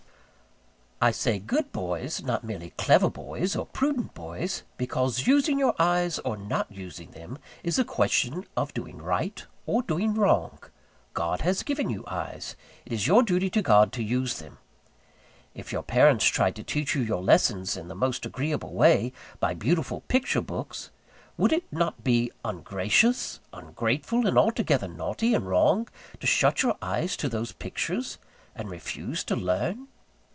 I say "good boys;" not merely clever boys, or prudent boys: because using your eyes, or not using them, is a question of doing Right or doing Wrong. God has given you eyes; it is your duty to God to use them. If your parents tried to teach you your lessons in the most agreeable way, by beautiful picture books, would it not be ungracious, ungrateful, and altogether naughty and wrong, to shut your eyes to those pictures, and refuse to learn?